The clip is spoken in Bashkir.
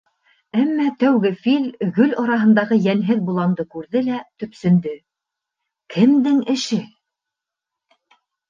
Әммә Тәүге Фил гөл араһындағы йәнһеҙ боланды күрҙе лә төпсөндө: кемдең эше?..